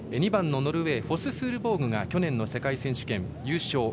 ２番のノルウェーフォススールボーグが去年の世界選手権優勝。